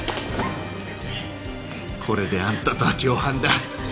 これであんたとは共犯だ。